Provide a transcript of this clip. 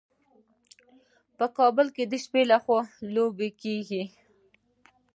په کابل کې د شپې لخوا لوبې کیږي.